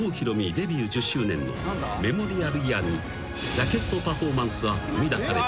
デビュー１０周年のメモリアルイヤーにジャケットパフォーマンスは生みだされたのだ］